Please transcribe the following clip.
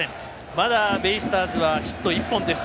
まだ、ベイスターズはヒット１本です。